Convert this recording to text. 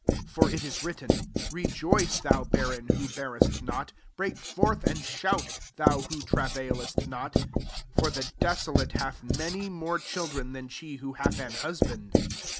27 For it is written, " Re joice, thou barren, who bearest not; break forth and shout, thou who travailest not; for the desolate hath m^ny more children than she who hath an husband."